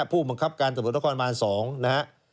ผู้บังคับการตำรวจตะคอนบาน๒